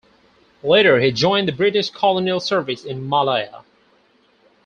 Later he joined the British colonial service in Malaya.